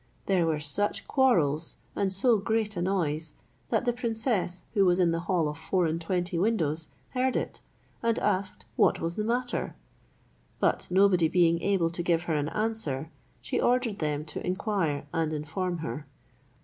There were such quarrels, and so great a noise, that the princess, who was in the hall of four and twenty windows, heard it, and asked what was the matter; but nobody being able to give her an answer, she ordered them to inquire and inform her.